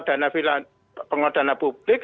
dana pengelola dana publik